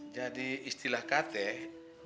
jadi istilah kata biar sakit kata ya